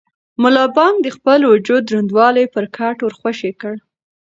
ملا بانګ د خپل وجود دروندوالی پر کټ ور خوشې کړ.